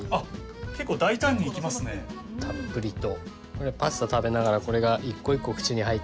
たっぷりと。